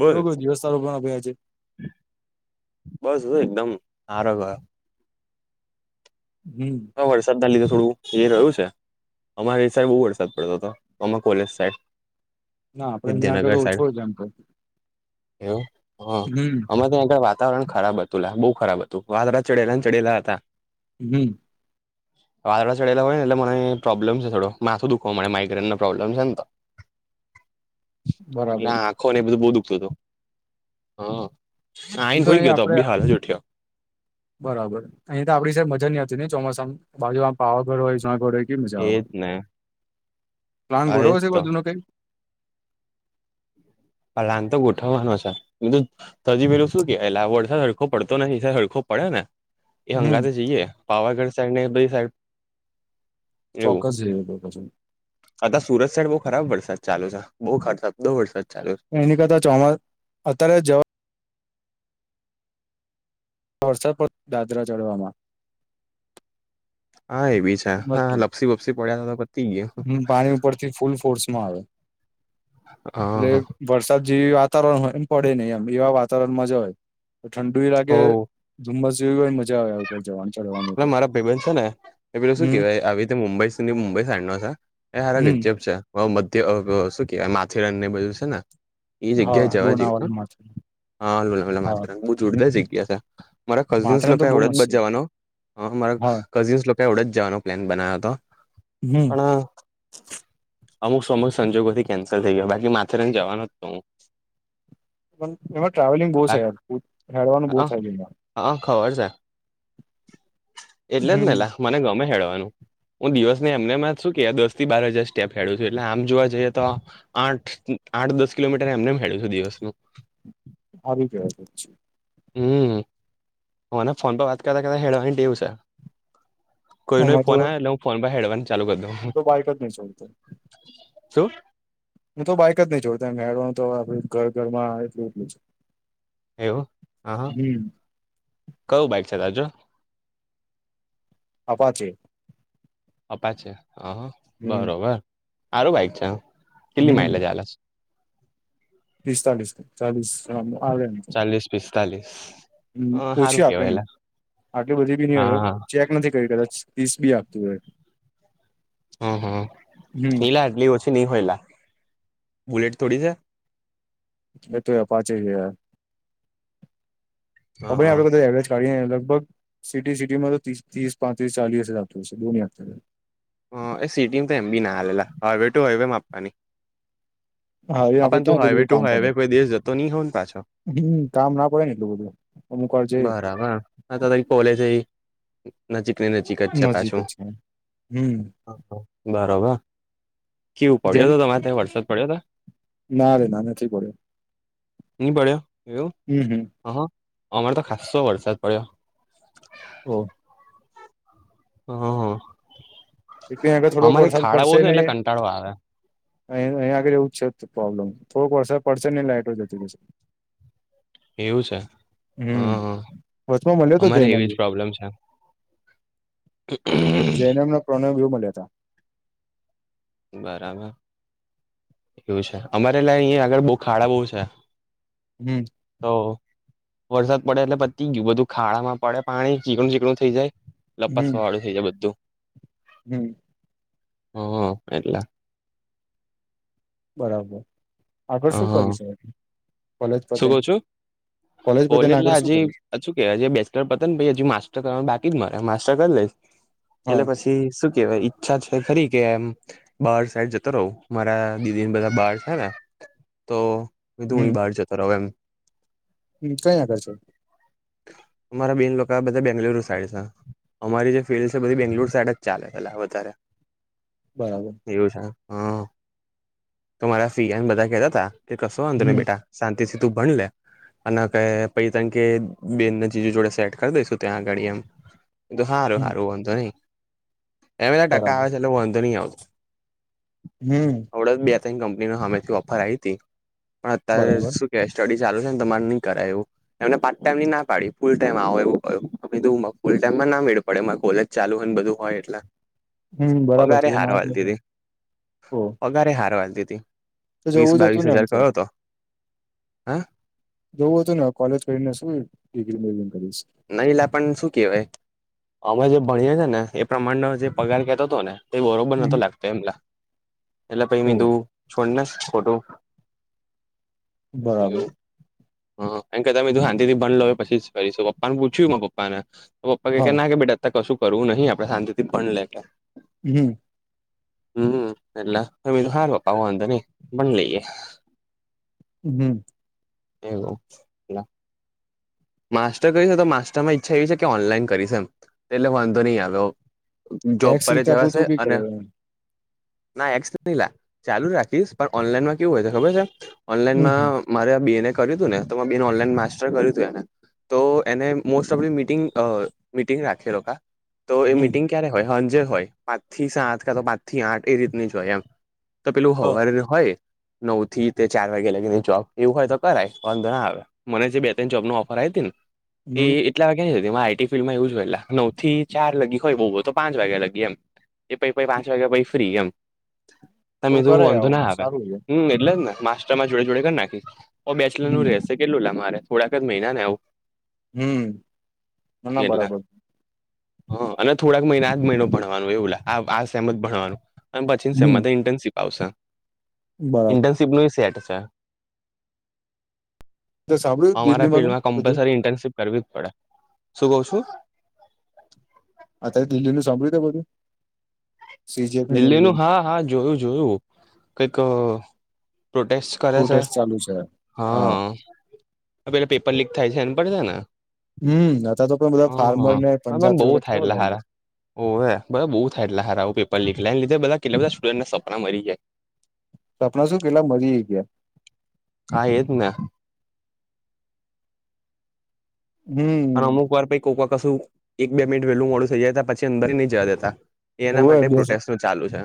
બોલ એવો કયો દિવસ સારો ગન ભયા છે બસ હું એકદમ હારો ગયો હમ વરસાદ ના લીધે થોડું થઇ રહ્યું છે અમારે સાઈડ બહુ વરસાદ પડતો હતો અમાં કોલેજ સાઈડ ના આપડે ત્યાં આગળ વિદ્યાનગર સાઈડ ઓછો જ એમતો એવું હ અમે ત્યાં આગળ વાતાવરણ ખરાબ હ તુલા બહુ ખરાબ હતું વાદરા ચડેલા ને ચડેલા હતા હમ વાદળ ચેલા હોય ને એટલે મને પ્રોબ્મ છે થો માથું દુખવા માઇક્રેનનું પ્રોબ્લેમ છે ને તો [inaudible] બરાબર ના આખો ને બધું બો દુખતું હતું હા એમ આઈન હુઈ અહીં ગયો તો આપડે અીબી હાલ જ ઉઠ્યા. બરાબર અહીંયા તો આપડી સાબ મજાની હતી ને ચોમાસા બાજુ આમ પાવાગઢ હોય શગર હોય. કે મજા આવ એજ ને પ્લાન હા એજ ઘોડો છે તો બાજુ નો કઈક પલાન તો ગોઠવવાનો છે તો તજી મે એલ શ સુ કે એટલે આ વરસાદ હળખો પડતો નથીસા હળખો પડે ને. એ હમ હંગા તો જઈએ પાવાગઢ સાઈડ ને બધી સાઈડ ચોક્કસ જઈએ તો પછી આ સુરત શહેડ બહઉ ખરાબ વરસાદ ચાલુ છે બઉ ખબ બહો વરસાદ ચાલુ છે. એની કરતા ચોમાસ અત્યારે જવા વરસાદ પડ દાદરા ચઢવામાં હા એવી છે હા નતું લપસી બપસી પડ્યા તો પતી ગયા. થી ફૂલ ફોર્સમાં આવે હા એટલે. વરસાદ જેવી વાતાવરણ હોય એમ પડે નહી એમ એવા વાતાવરણ માંજ હોય. તો ઠંડુ લાગે હો ધુમ્મસ જે હોય મજા આવે ઉપર જવાની ચડવાનું. પેલ છે ને પેલું શું હમ કેહેવાય આવી રીતે મુંબઈ સુધી મુંબઈ સાં ન છે એ સારા હમ ગજબ છે. હ મધ્ય શું કેવાય માથેરાન ને બધું છે ને એ જગ્યાએ હા જવા જેવું લોનાવાલા માથેરાન હા હા [unintelligible] જોરદાર જગ્યા છે મારા કઝિન્સ માથેરાન તો લોકો બહુ વળદ મસ્ત બદ છે જવાનો. હ મારા હા કઝિન્સ લોકો આવડ જ જવાનો પ્લાન બનાવ્યો હતો હમ પણ અમુક સમગ સંજોગોથી કેન્સલ થઈ ગયો બાકી માથે રહી જવાનોતો હું. એમાં ટ્રાવેલિંગ બહ છે બાકી હવાનું બહ થય. હા ખબર છે એટલે જ ને લ મને ગમે હેડવાનું. હું દિવસ ને એમને માં શું કે આ દસ થી બાર હજાર સ્ટેપ ખેડું છું એટલે આમ જોવા જઈએ તો. આઠ આઠ દસ કિલોમીટર એમને ખડું છું દિવસનું આવી કવા છે. હમ મને ફોન પર વાત કરતા કરતા હેળવા દેવું છે. કોઈ ન આમાં તો ફોન આવે એટલે હું ફોન પર હેડવાની ચાલુ કરી દઉ. તો બાઈક જ નહી છોડતો શું હું તો બાઈક જ નહી જોડતો મેળવાનું તો આપ ઘર ઘર માં એલું એટલું છે. હેવું હા હ હમ કયું બાઇક છે દાજો. અચે અપા છે હ હ હમ બરોબર સારું બાઈક છે કેટલી હમ માઇલેજ આવેલે છે. પિસ્તાલીસ ચાલીસ આવે. તો. ચાલીસ પિસ્તાલીસ હમ સારું ઓછી આપે એમ કેવાયલા. આટલી બધી બી ન હય ચેક નથી કરી કદાચ ત્રીસ બી આપતું હોય. હમ હ હમ ઈલા એટલી ઓછી નઈ હોયલા બુલેટ થોડી છે. એ તો યાર પાચે છે યાર હાઈ હા આપડે બધા લગભગ સિટી સિટીમાં તો ત્રીસ પાંત્રીસ ચાલીસ જતોુંશે દો. એ સિટી તો એમ બી ના હાલા હવે ટુ હવે એમ આપવાની. [inaudible] હા, એ આપડે આપણ તું ક્યાં એટલું હાઈવે બધું ટુ કામ હાઈવે પડે કોઈ દેશ જતો નહી હો ને પાછો હમ કામ ના પડે ને એટલું બધું. અમુક વાર જે બરાબર કોલે છે નજીકની ન નજીક છે હમ. બરોબર કેવું જે પડ્યો હતો તમારે ત્યાં વરસાદ પડ્યો હતો. ના રે ના નથી પડ્યો એની બડ્યો એવું. હમ, હમ હ અમારે તો ખસ્સો વરસાદ પડ્યો. ઓ હમ એટલે આગળ હ થોડોક અમારે વરસાદ ખાડા ઓહ છે એટલે કંટાળો આવે. અહી અહીં આગેવું જ છે. જ પ્રોબ્લેમ થોડક વરસાદ પડશે નને લાઈટો જતી જશે [inaudible] એવું છે હ હ વચમાં મળ્યો હતો અમારે જૈનમ એવી જ પ્રોબ્લેમ છે. હમ પ્રણેવ મળ્યા હતા બરાબર એવું છે. અમારે લ અહીંયા આગળ બહુ ખાડા બહુ છે. હમ તો વરસાદ પડે એટલે પતી ગયું બધું ખાડામાં પડે પાણી ચીકણું ચીકણું થઈ જાય લપસવા વાળું છે. જે બધું હમમમ હ એટલા બરાબર આગળ હ શું કરીશ એ શું કઉ પતે છુંલે ને એટલે આગળ શું કરીશ હજીું કે હજી બે પ ને પ હજુ માસ્ટર કરવા બાકી જ મારે માસ્ટર કરી લઈશ હા એટલે પછી શું કેવાય ઈચ્છા છે. ખરી કેવા એમ બાર સાઈડ જતો રહું મારા દીદીને બધા બાર છે ને તો કીધું હ હમ બહાર જતો ર એમ હમ કયાયાગળ છે. અરા બેન લોકો બધા બેંગલુરુ સાઈડ છે. અમારી જે ફિલ્ડ છે બધી બેંગ્લુર સાઈડ જ ચાલે એટલે વધારે બરાબર [unintelligible] શાંતિથી હમ તું ભણ લે અને કે પઈ તણ કે બેન ને જીજુ જોડે સેટ કરી દઈશું ત્યાં આગાડી એમ તો હારું હમ હારું વાંધો નઈ એમ ટકા બરાબર આવે છે એટલે વાંધો નહી આવતો. હમ અડ જ બે તંઈ કંપની હામેથી ઓફર આવી હતી. ત બરાબર શું કે સ્ટડી ચાલુ છે ને તમારે નઈ કરાય એવું? એમને પાટ ટાઈમ ના પાડી ફૂલ ટાઈમ આવો એવું કહ્યું કીધું ફુલ ટાઈમમાં ના મેળ‌ પડે કોલે ચાલુ હો ને બધું હોય એટલ હમ બરાબર છે [unintelligible] કયારે હારવાલતી હતી તો વીસ જવું જ બાવીસ હતું ને એમ હજાર કરો તો હ જોવું હતું ને કોલેજ કરીને શું ડિગ્રી [inaudible] કરીશ એલા પણ શું કેહેવાય અમે જે ભણીએ છે ને એ પ્રમાણનો જે પગાર કેતો હતો ને એ બરોબર નતો હમ. લાગતો એમ એટલે પઈ ઓ મે કીધું છોડને ખોટું [inaudible] બરાબર [unintelligible] લો પછી ફરીશું પપ્પાને પૂછ્યું માર પપ્પા ને તો પપ્પા કે હા ના કે બેટા કશું કરવું નહી આપડે શાંતિથી ભણ લે હમ હમ એટલા [unintelligible] વાંધો નઈ ભણ લઈએ. હમ [unintelligible] માસ્ટર કરીશ ને તો માસ્ટર માં ઈચ્છા એવી છે કે ઓનલાઈન કરીશ એમ એટલે વાંધો નહીં આવ્યો જોબ એક્સ પર રીતે આપું તો જવાશે બી કરે અને એમ. [unintelligible] ચાલુ રાખીશ પણ ઓનલાઈન માં કેવું હોય છે ખબર છે? હમ ઓનલાઈનમાં મારે બેએનએ કર્યું હતું ને તો ઓનલાઈન માસ્ટર કર્યું હતું એને તો એને most of the meeting meeting રાખેલો તો એ લોકા તો એ હમ મિટિંગ ક્યારે હોય હાંજે હોય પાંચ થી સાત કા તો પાંચ થી આઠ એ રીતની જ હોય એમ તો પેલું હ હવાર હોય નવ થી તે ચાર વાગે લાગીને જોબ એવું હોય તો કરાય વાંધો ના આવે. મને જે બે ત્રણ જોબનો ઓફર આવી હતી ને હમ એ કેટલા વાગ્યા આઈટી ફિલ્ડમાં એવું જ હોય એલા નવથી ચાર લગી હોય બહુ હોય તો પાંચ વાગ્યા લગી એમ. એ પહી પહી પાંચ વાગ્યા પછી ફ્રી એમ. [inaudible] હા મેધું વાંધુ આવું ના આવે, સારું છે હમ. એટલે ને મા જોડે જોડે કરી નાખી. બેચલરનું હમ રહેશે કેટલું લા મારે થોડાક જ મહિનાને આવું. હમ. ના, બરાબર. હ અને થોડાક મહિના, આજ મહિનો ભણવાનું એવું લા આ, આ સેમ જ ભણવાનું અને પછી હમ સેલમાં ઇન્ટર્નશિપ આવશે. બરાબર. ઇન્ટરશીપનું એ સેટ છે. તે સાંભળ્યું દિલ્હીમાંનું બધુંય ઇન્ટરશીપ કરવી જ પડે, શું કહો છો? આ તે દિલ્હીનું સાંભળ્યું તે બધું? સીજેપી નું દિલ્હીનું બધું હા હા જોયું, જોયું કંઈક પ્રોટેસ્ટ કરે છે પ્રોટેસ્ટ ચાલુ છે હા, પેલા પેપર લીક થાય છે એન પર છે ને હમ. અ તો પણ બધા હ હા ફાર્મરને પંજાબ છે બધા કેટલા બધા આવી ગયા છે. હોવે. બઉ થાય એટલે હારા ઓ પેપર લીક ને લીધે બધા કેટલા બધા સ્ટુડન્ટ ના સપના મરી જાય. સપના શું? કેટલા મરી ઈ ગયા. હા, એ જ ને અને હમ અમુક વાર પઈ કોકકા કશું એક બે મિનિટ વેલું મોડું થઈ જાય ત પછી અંદર નહી જ દેતા. એના હોય માટે બે પ્રોટેસનું ચાલુ છે.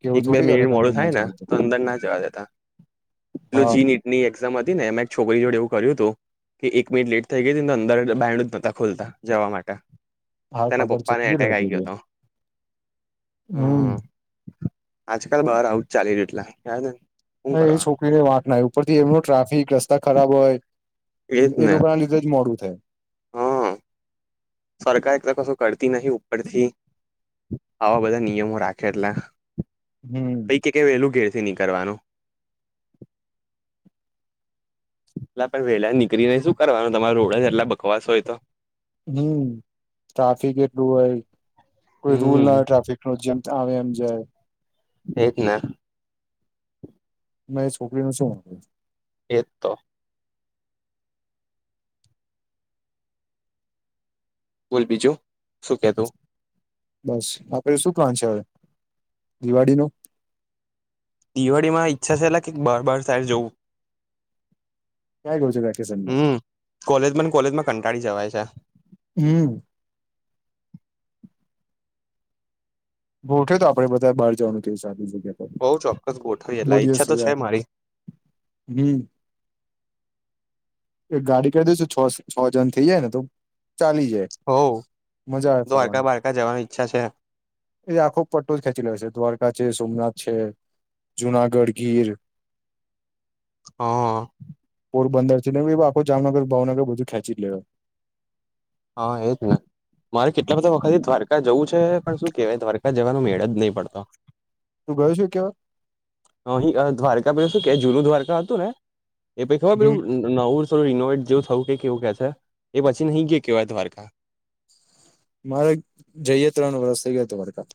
કેવું એક બે થોડી ચાલે મિનિટ મોડું કંદર ના થાય ચાલે તો અંદરના જવા દેતા એ હા જી ની એક્ઝામ હતી ને એમે એક છોકરી જોડે એવું કર્યું હતું કે એક મિનિટ લેટ થઈ ગઈને અંદર બડ જ નતા ખોલતા જવા માટે હા તેના ખબર છે પપ્પાને કેટલી એટેક આઈ લડતી ગયો હતી હતો. હમ. આજકાલ બાર આવુંજ ચાલ્યું એટલા યાને એ છોકરીને વાંટના ઉપરથી એમનો ટ્રાફિક રસ્તા ખરાબ હોય. એજ એ ને લોકોના લીધે જ મોડું થાય. હ સરકાર એક તો કશું કરતી નહિ. ઉપરથી આવા બધા નિયમો રાખે. એટલે હમ. પૈ કંઈ વહેલું ઘેરથી નહીં કરવાનું. એટલા પણ વેહલા નીકળીને શું કરવાનું? તમારે રોડ જ એટલા બકવાસ હોય તો હમ. ટ્રાફિક એટલું હોય. કોઈ રૂલ ના હમ હોય, ટ્રાફિક રોજમ આવે, એમ જાય. એત ના મે, છોકરીનું શું. એ તો બોલ બીજું શું. કેતો બસ આપણે શું પ્લાન છે હવે દિવાળીનું દિવાળીમાં ઈચ્છા છે. એટલા કે બાહર, બાહર સાહેડ જોવું. ક્યા કરું છો વેકેશનમાં કકોલેજમાં ને કોલેજમાં કંટાળી જવાય છે. હમ. ગોઠ્યો તો આપણે બધા બહાર જવાનું કેય સારી જગ્યા પર બઉ ચોક્કસ ગોઠવી બો એટલા દિવસ ઈચ્છા તો થયા છે મારી હમ. એક ગાડી કરી શું છ છ જન થઇ જાય ને તો ચાલી જાય. હો. મજા આવે દ્વારકા ફરવાની બારકા જવાની ઈચ્છા છે. એ આખો પટ્ટો જ ખેંચી લે છે દ્વારકા છે સોમનાથ છે જુનાગઢ ગીર [inaudible] હા. પોરબંદર છે ને આખો જામનગર ભાવનગર બધું ખેંચી લે હા એ જ ને મારે કેટલા બધા વખત દ્વારકા જવું છે પણ શું કેહેવાય દ્વારકા જવાનો મેળ જ નહીં પડતો તું ગયો છું કેયા અહી દ્વારકા પેલો શું કે જુનું દ્વારકા હતું ને એ પછી ખબર હમ પું નવો રિનોવેટ જેવું થવું કે કેવું કે છે એ પછી નહી કે કેવાય દ્વારકા મારે જઈએ ત્રણ વર્ષ થઈ ગયા તો દ્વારકા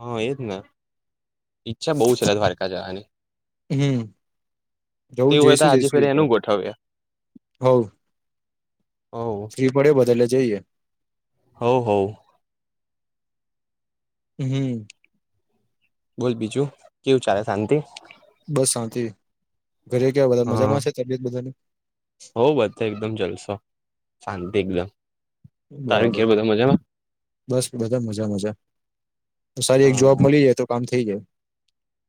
હા એજ ને ઈચ્છા બહુ છે દ્વારકા જવાની. હમ જવું તેવું હોય તો જઈશું આજે જઈશું ફરી એક વાર એનું ગોઠવ્યા હવ હવ ફ્રી પડે બધાલે જઈએ. હોહો. હમ. બોલ બીજું કેવું ચાલે શાંતિ બસ શાંતિ ઘરે કેવા બધા હા મજામાં છે તબિયત બધાની હો બધ એકદમ જલસો શાંતિ એકદમ તારી કે બરાબર બધા મજામાં. બસ બધા મજા મજા સારી એક હા જોબ મળી જાય તો કામ થઇ જાય.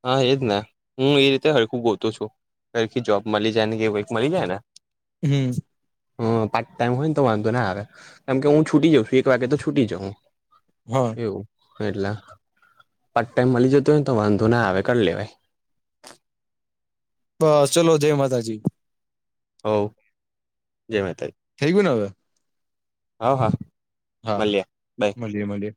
હા એજ ને હું એ રીતે હરખું ગોતુ છું ઘખ જોબ મળી જાય ને કે એક મળી જાય ને હમ હ પાર્ટ ટાઈમ હોય ને તો વાંધો ન આવે કેમ કે હું છૂટી જાઉ છું એક વાગે તો છૂટી જાઉ હું હા એવું કેટલા પાર્ટ ટાઈમ મળી જતો હોયને તો વાંધો ના આવે કરી લેવાય બસ ચલો જય માતાજી હો જય માતાજી થઈ ગયુ ને હવે હવ હા હા મળીએ મળીએ મળીએ